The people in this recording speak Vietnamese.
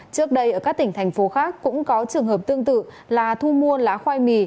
trước đây ở các tỉnh thành phố khác cũng có trường hợp tương tự là thu mua lá khoai mì